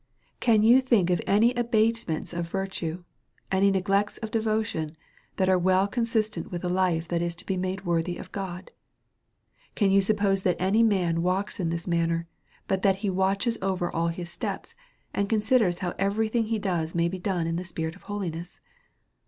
Can you DETOUT AND HOLY LIFE. S77 think of any abatements of virtue^ any neglects of de votion, that are well consistent with a life that is to be made worthy of God? Can you suppose that any man walks in this manner, but he that watches over all his steps, and considers how every thing he does may be done in the spirit of holiness?